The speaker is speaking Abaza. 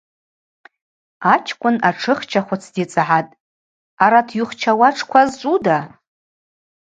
Ачкӏвын атшыхчахвыц дицӏгӏатӏ Арат йухчауа атшква зчӏвуда?